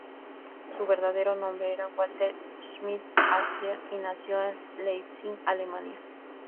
Su verdadero nombre era Walter Schmidt-Hässler, y nació en Leipzig, Alemania.